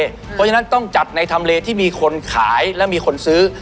เพราะฉะนั้นต้องจัดในทำเลที่มีคนขายและมีคนซื้อ